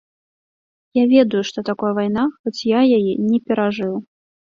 Я ведаю, што такое вайна, хоць я яе не перажыў.